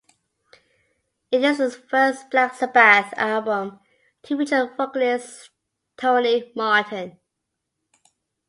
It is the first Black Sabbath album to feature vocalist Tony Martin.